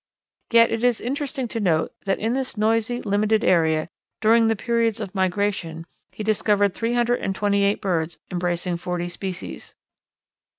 Yet it is interesting to note that in this noisy, limited area, during the periods of migration, he discovered three hundred and twenty eight birds, embracing forty species.